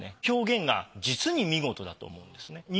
表現が実に見事だと思うんですね。